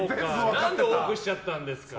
何で多くしちゃったんですか？